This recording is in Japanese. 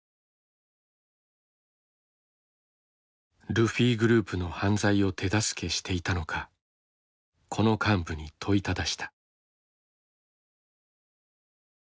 ルフィグループの犯罪を手助けしていたのかこの幹部に問いただした。